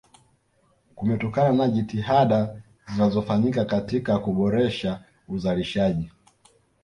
kumetokana na jitihada zinazofanyika katika kuboresha uzalishaji